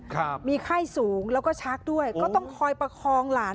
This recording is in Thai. ครับมีไข้สูงแล้วก็ชักด้วยก็ต้องคอยประคองหลาน